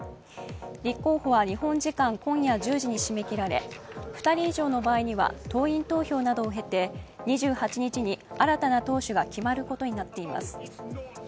立候補は日本時間今夜１０時に締め切られ２人以上の場合には党員投票などを経て２８日に新たな党首が決まることになっています。